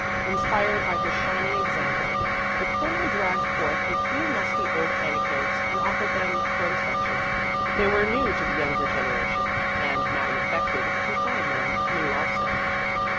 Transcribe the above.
Inspired by her shining example, the Colonel dragged forth a few musty old anecdotes and offered them for inspection. They were new to the younger generation, and Madame affected to find them new also.